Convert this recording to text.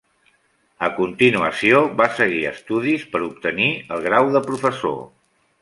A continuació, va seguir estudis per obtenir el grau de professor.